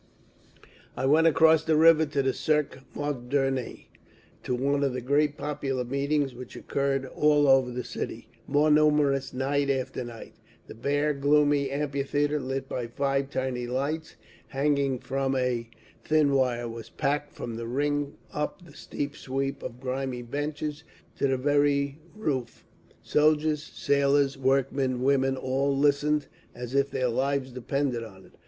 I went across the river to the Cirque Moderne, to one of the great popular meetings which occurred all over the city, more numerous night after night. The bare, gloomy amphitheatre, lit by five tiny lights hanging from a thin wire, was packed from the ring up the steep sweep of grimy benches to the very roof—soldiers, sailors, workmen, women, all listening as if their lives depended upon it.